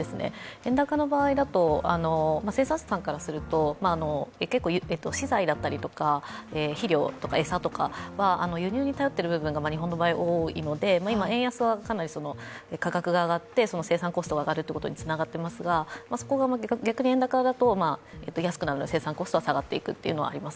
円高の場合だと生産者さんからすると資材だったり肥料、餌だとかは輸入に頼っている部分が日本の場合は多いので、円安はかなり価格が上がってコストが上がるということになっていますがそこが逆に円高だと安くなるので生産コストが下がっていくというのはあります。